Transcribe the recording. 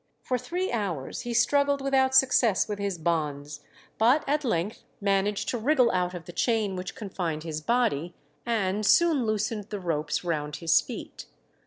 For three hours he struggled without success with his bonds, but at length managed to wriggle out of the chain which confined his body, and soon loosened the ropes round his feet.